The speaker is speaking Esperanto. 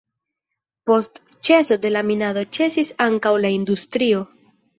Post ĉeso de la minado ĉesis ankaŭ la industrio.